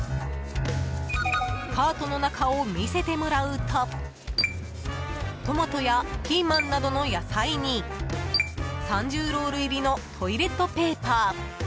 カートの中を見せてもらうとトマトやピーマンなどの野菜に３０ロール入りのトイレットペーパー。